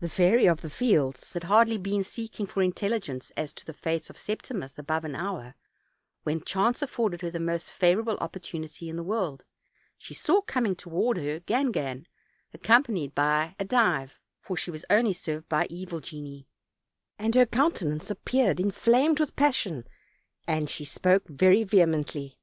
The Fairy of the Fields had hardly been seeking for intelligence as to the fate of Septimus above an hour, when chance afforded her the most favorable opportunity in the world; she saw coming toward her Gangan, ac companied by a Dive, for she was only served by evil genii, and her countenance appeared inflamed with pas sion, and she spoke very vehemently.